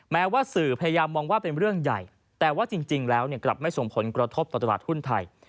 แม้ว่าสื่อพยายามมองว่าเป็นเรื่องใหญ่แต่ว่าจริงแล้วกลับไม่ส่งผลกระทบต่อตลาดหุ้นไทย